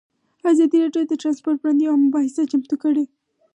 ازادي راډیو د ترانسپورټ پر وړاندې یوه مباحثه چمتو کړې.